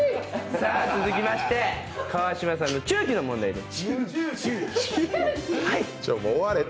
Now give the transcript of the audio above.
さあ続きまして川島さんの中期の問題です。